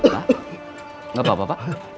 pak gak apa apa pak